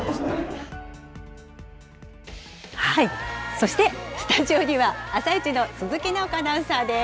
そして、スタジオにはあさイチの鈴木奈穂子アナウンサーです。